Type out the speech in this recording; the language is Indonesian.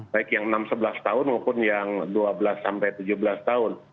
baik yang enam sebelas tahun maupun yang dua belas sampai tujuh belas tahun